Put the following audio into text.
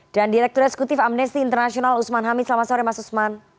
dan direktur eksekutif amnesti internasional usman hamid selamat sore mas usman